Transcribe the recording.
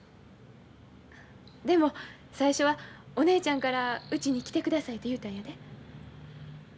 でも最初はお姉ちゃんからうちに来てくださいと言うたんやで。